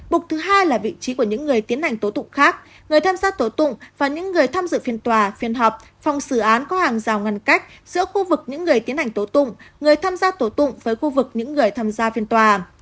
bục thứ hai là vị trí của những người tiến hành tố tụng khác người tham gia tổ tụng và những người tham dự phiên tòa phiên họp phòng xử án có hàng rào ngăn cách giữa khu vực những người tiến hành tố tụng người tham gia tổ tụng với khu vực những người tham gia phiên tòa